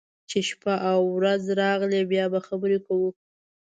چې شپه او رځې راغلې، بیا به خبرې کوو.